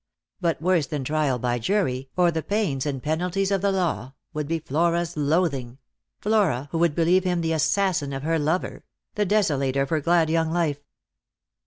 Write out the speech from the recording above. But worse than trial by jur\;, or the pains and penalties of the law, would be Flora's loathing — Flora, who would believe him the assassin of her lover— the desolator of her glad young life.